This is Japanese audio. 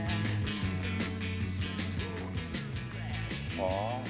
ああ。